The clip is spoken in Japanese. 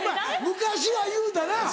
昔は言うたな。